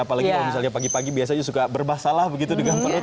apalagi kalau misalnya pagi pagi biasanya suka bermasalah begitu dengan perut